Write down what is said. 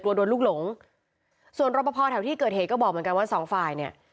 โดนลูกหลงส่วนรอปภแถวที่เกิดเหตุก็บอกเหมือนกันว่าสองฝ่ายเนี่ย